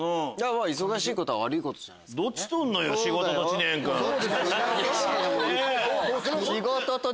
忙しいことは悪いことじゃないですからね。